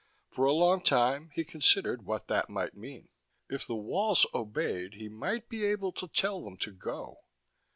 For a long time he considered what that might mean. If the walls obeyed, he might be able to tell them to go.